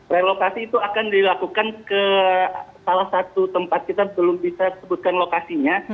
relokasi itu akan dilakukan ke salah satu tempat kita belum bisa sebutkan lokasinya